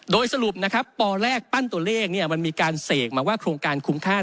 โดยสรุปนะครับปแรกปั้นตัวเลขมันมีการเสกมาว่าโครงการคุ้มค่า